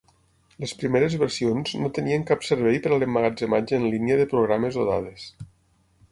Les primeres versions no tenien cap servei per a l'emmagatzematge en línia de programes o dades.